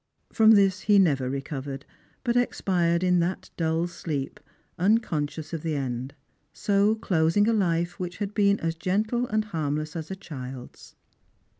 From this he never revived, but expired in that dull sleep, unconscious of the end ; so closing a life which had been as gentle and harmless as a child's.